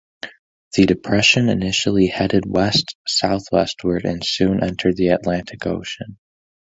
The depression initially headed west-southwestward and soon entered the Atlantic Ocean.